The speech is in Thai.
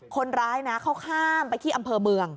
คนร้ายนะเขาข้ามไปที่อำเภอเมือง